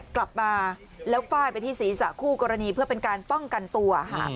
กลับมาแล้วฟาดไปที่ศีรษะคู่กรณีเพื่อเป็นการป้องกันตัวค่ะ